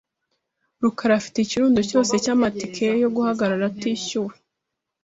rukara afite ikirundo cyose cyamatike yo guhagarara atishyuwe .